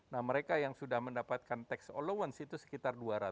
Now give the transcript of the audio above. nah mereka yang sudah mendapatkan tax allowance itu sekitar dua ratus